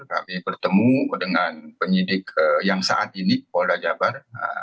kami bertemu dengan penyidik yang saat ini polda jabar